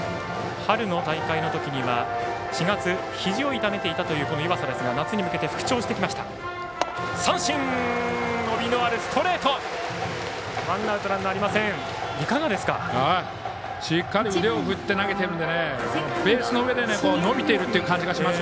春の大会では４月ひじを痛めていたという岩佐ですが夏に向けて復調してきました。